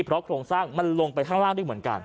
เพราะโครงสร้างมันลงไปข้างล่างได้เหมือนกัน